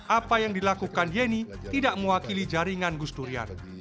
apa yang dilakukan yeni tidak mewakili jaringan gusdurian